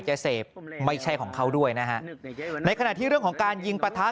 จะเสพไม่ใช่ของเขาด้วยนะฮะในขณะที่เรื่องของการยิงประทะ